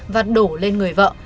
và đổ lên người vợ